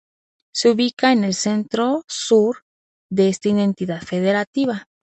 Se ubica en el centro sur de esta entidad federativa.